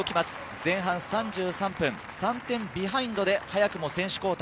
前半３３分、３点ビハインドで早くも選手交代。